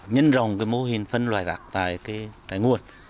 nhân rồng mô hình phân loại rạc tại nguồn